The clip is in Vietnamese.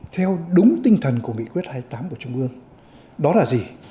theo đúng tinh thần của nghị quyết hai mươi tám của trung ương đó là gì